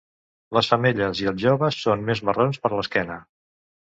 Les femelles i els joves són més marrons per l'esquena.